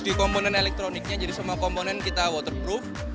di komponen elektroniknya jadi semua komponen kita waterproof